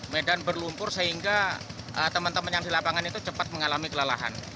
medan berlumpur sehingga teman teman yang di lapangan itu cepat mengalami kelelahan